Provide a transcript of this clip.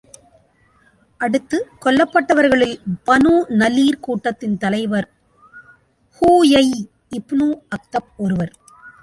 அடுத்து, கொல்லப்பட்டவர்களில் பனூ நலீர் கூட்டத்தின் தலைவர் ஹுயய் இப்னு அக்தப் ஒருவர்.